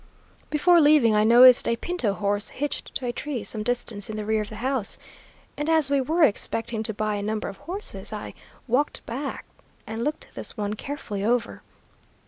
"Before leaving I noticed a Pinto horse hitched to a tree some distance in the rear of the house, and as we were expecting to buy a number of horses, I walked back and looked this one carefully over.